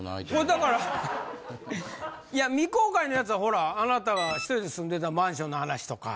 だから未公開のやつはほらあなたが１人で住んでたマンションの話とか。